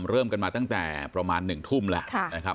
เริ่มกันมาตั้งแต่ประมาณ๑ทุ่มแล้วนะครับ